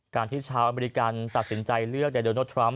ที่ชาวอเมริกันตัดสินใจเลือกไดโดนัลดทรัมป